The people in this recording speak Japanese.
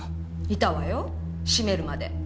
いたわよ閉めるまで。